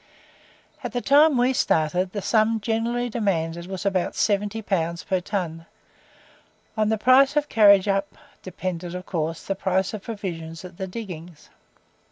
At the time we started, the sum generally demanded was about 70 pounds per ton. On the price of carriage up, depended of course the price of provisions at the diggings.